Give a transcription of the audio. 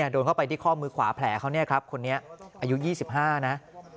โดนเข้าไปที่ข้อมือขวาแผลเขาเนี่ยครับคนนี้อายุ๒๕นะ